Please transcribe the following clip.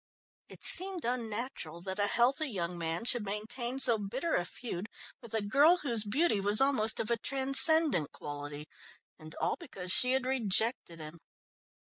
It seemed unnatural that a healthy young man should maintain so bitter a feud with a girl whose beauty was almost of a transcendant quality and all because she had rejected him.